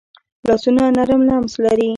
لاسونه نرم لمس لري